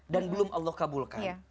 dan belum allah kabulkan